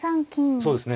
そうですね